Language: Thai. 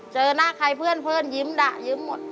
เจอหน้าใครเพื่อนยิ้มด่ายิ้มหมด